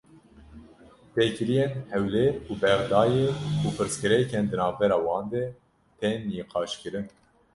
Têkiliyên Hewlêr û Bexdayê û pirsgirêkên di navbera wan de tên nîqaşkirin.